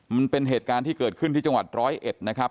มันเป็นเหตุการณ์ที่เกิดขึ้นที่จังหวัดร้อยเอ็ดนะครับ